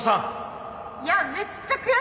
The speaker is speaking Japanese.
いやめっちゃ悔しいです。